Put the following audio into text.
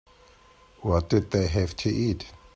What did they have to eat?